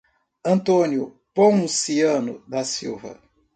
Antônio Ponciano da Silva